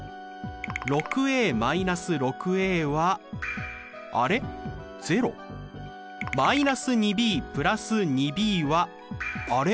６−６はあれ０？−２ｂ＋２ｂはあれ？